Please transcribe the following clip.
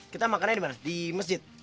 kita makannya dimana di masjid